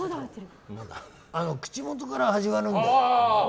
口元から始まるんだよ。